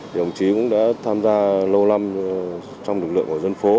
thì đồng chí cũng đã tham gia lâu năm trong lực lượng của dân phố